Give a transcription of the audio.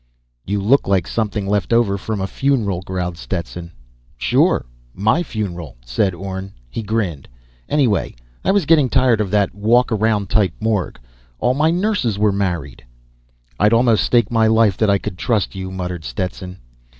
"You look like something left over from a funeral," growled Stetson. "Sure my funeral," said Orne. He grinned. "Anyway, I was getting tired of that walk around type morgue. All my nurses were married." "I'd almost stake my life that I could trust you," muttered Stetson.